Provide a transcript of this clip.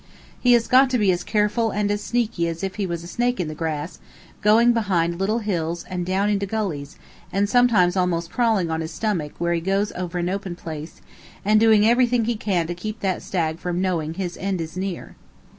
He has to be as careful and as sneaky as if he was a snake in the grass, going behind little hills and down into gullies, and sometimes almost crawling on his stomach where he goes over an open place, and doing everything he can to keep that stag from knowing his end is near.